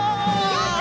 やった！